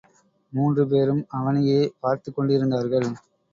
மூன்று பேரும் அவனையே பார்த்துக் கொண்டிருந்தார்கள்.